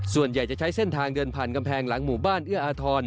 ส่วนใหญ่จะใช้เส้นทางเดินผ่านกำแพงหลังหมู่บ้านเอื้ออาทร